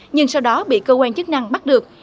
nhưng sau đó bị cơ quan chức năng bắt được